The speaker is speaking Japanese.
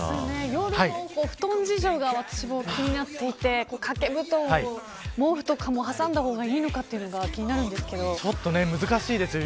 夜も布団事情が気になっていて掛け布団、毛布とかも挟んだ方がいいのかちょっと難しいですね